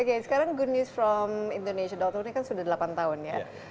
oke sekarang good news from indonesia com ini kan sudah delapan tahun ya